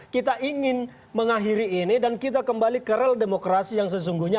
kita ingin mengakhiri ini dan kita kembali ke rel demokrasi yang sesungguhnya